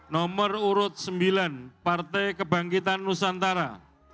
nomor urut sembilan partai kebangkitan nusantara